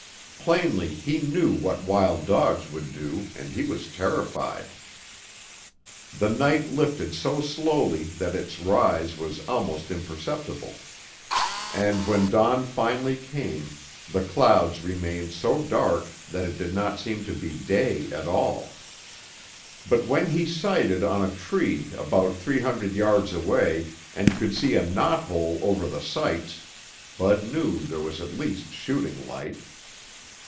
Plainly he knew what wild dogs could do and he was terrified. The night lifted so slowly that its rise was almost imperceptible, and when dawn finally came, the clouds remained so dark that it did not seem to be day at all. But when he sighted on a tree about three hundred yards away and could see a knothole over the sights, Bud knew there was at least shooting light.